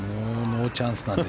ノーチャンスだね。